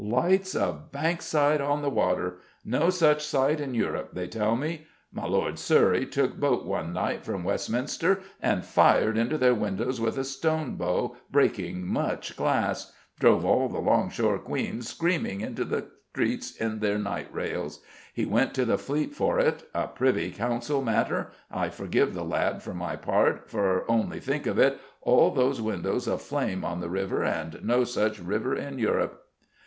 Lights of Bankside on the water ... no such sight in Europe, they tell me.... My Lord of Surrey took boat one night from Westminster and fired into their windows with a stone bow, breaking much glass ... drove all the long shore queans screaming into the streets in their night rails.... He went to the Fleet for it ... a Privy Council matter.... I forgive the lad, for my part: for only think of it all those windows aflame on the river, and no such river in Europe!